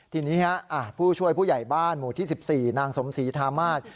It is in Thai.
ทีนี้ผู้ช่วยผู้ใหญ่บ้านหมู่ที่๑๔นางสมศรีธามาศ